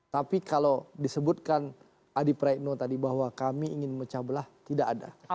tapi kalau disebutkan adi praetno tadi bahwa kami harus sambut dengan baik